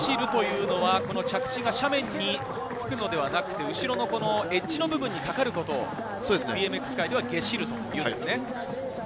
着地が斜面につくのではなくて、エッジの部分にかかることをＢＭＸ界ではゲシると言うんですね。